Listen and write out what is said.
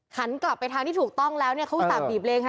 หันกลับไปทางที่ถูกต้องแล้วเนี่ยเขาอุตส่าหีบเลนค่ะ